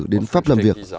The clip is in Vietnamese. đến pháp làm việc